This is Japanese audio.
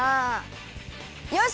よし！